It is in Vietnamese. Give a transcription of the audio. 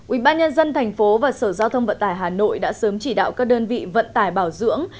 ubnd tp và sở giao thông vận tải hà nội đã sớm chỉ đạo các đơn vị vận tải bảo dưỡng